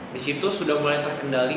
di situ sudah mulai terkendali